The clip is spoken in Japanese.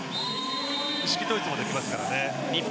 意識統一もできますからね。